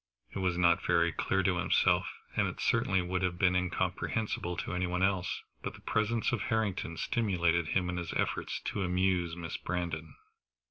It was not very clear to himself, and it certainly would have been incomprehensible to any one else, but the presence of Harrington stimulated him in his efforts to amuse Miss Brandon.